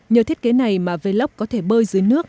nhờ thiết kế này mà velox có thể bơi dưới nước